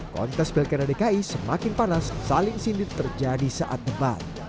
kontes belkera dki semakin panas saling sindir terjadi saat debat